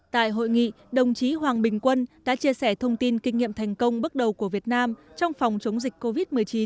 tại hội nghị đồng chí hoàng bình quân đã chia sẻ thông tin kinh nghiệm thành công bước đầu của việt nam trong phòng chống dịch covid một mươi chín